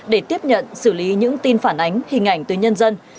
để tiếp nhận xử lý những tin phản ánh hình ảnh tới nhân dân